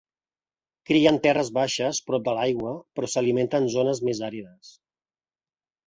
Cria en terres baixes prop de l'aigua però s'alimenta en zones més àrides.